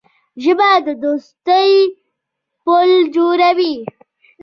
ژبه د دوستۍ پُل جوړوي